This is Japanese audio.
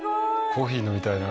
コーヒー飲みたいな